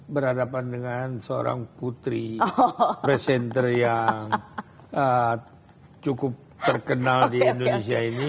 berhadapan dengan seorang putri presenter yang cukup terkenal di indonesia ini